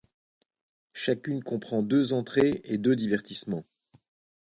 Chacune comprend deux entrées et deux divertissements.